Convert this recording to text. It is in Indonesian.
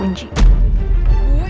udah nanya ibu di rumah